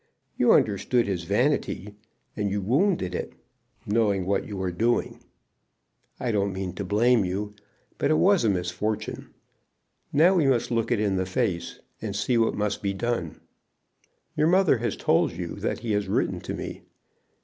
You understood his vanity, and you wounded it, knowing what you were doing. I don't mean to blame you, but it was a misfortune. Now we must look it in the face and see what must be done. Your mother has told you that he has written to me.